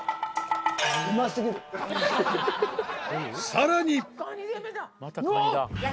［さらに］